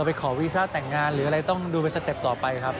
ไปขอวีซ่าแต่งงานหรืออะไรต้องดูเป็นสเต็ปต่อไปครับ